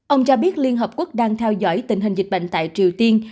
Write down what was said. ông cho biết liên hợp quốc đang theo dõi tình hình dịch bệnh tại triều tiên